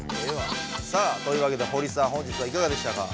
さあというわけでホリさん本日はいかがでしたか？